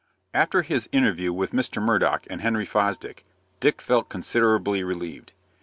After his interview with Mr. Murdock and Henry Fosdick, Dick felt considerably relieved.